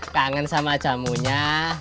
kangen sama jamunya